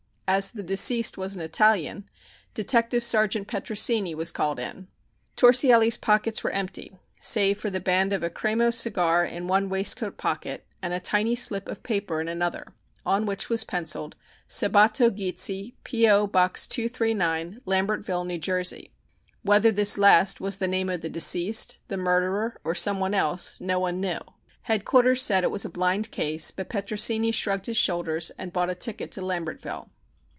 As the deceased was an Italian, Detective Sergeant Petrosini was called in. Torsielli's pockets were empty save for the band of a "Cremo" cigar in one waistcoat pocket and a tiny slip of paper in another, on which was penciled "Sabbatto Gizzi, P.O. Box 239, Lambertville, New Jersey." Whether this last was the name of the deceased, the murderer, or some one else, no one knew. Headquarters said it was a blind case, but Petrosini shrugged his shoulders and bought a ticket to Lambertville.